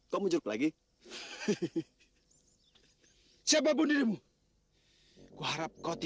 kuharap kau tidak ikut campur urusan kami